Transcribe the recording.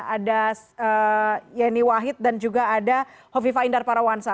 ada yeni wahid dan juga ada hovifa indar parawansa